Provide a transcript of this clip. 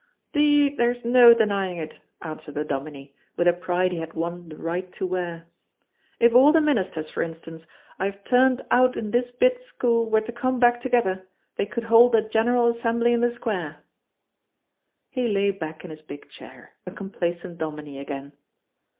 "'Deed, there's no denying it," answered the dominie, with a pride he had won the right to wear. "If all the ministers, for instance, I have turned out in this bit school were to come back together, they could hold the General Assembly in the square." He lay back in his big chair, a complacent dominie again.